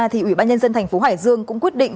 thì ubnd thành phố hải dương cũng quyết định